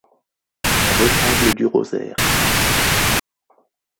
Retable du Rosaire.